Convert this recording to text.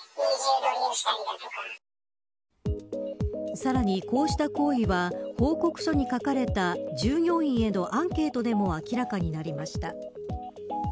さらにこうした行為は報告書に書かれた従業員へのアンケートでも明らかになりました。